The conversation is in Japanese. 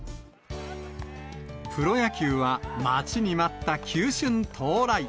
プロ野球は、待ちに待った球春到来。